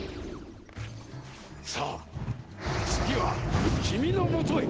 さあつぎはきみのもとへ！